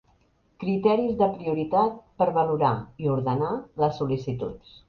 Criteris de prioritat per a valorar i ordenar les sol·licituds.